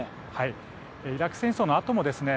イラク戦争のあともですね